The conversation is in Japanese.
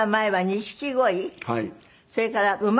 それから馬。